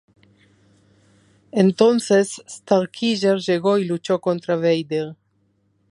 Entonces Starkiller llegó y luchó contra Vader.